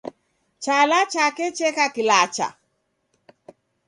Chala chake cheka kilacha.